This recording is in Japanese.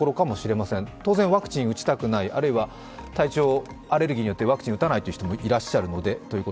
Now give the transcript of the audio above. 当然、ワクチンを打ちたくない体調、アレルギーによってワクチンを打たないという人もいらっしゃるので。